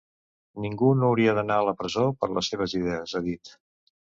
Ningú no hauria d’anar a la presó per les seves idees, ha dit.